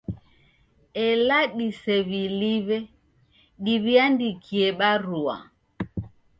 Ela disew'iliw'e, diw'iandikie barua